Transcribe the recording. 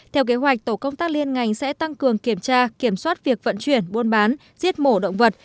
theo kế hoạch tổ công tác liên ngành sẽ tăng cường kiểm tra kiểm soát việc vận chuyển buôn bán giết mổ động vật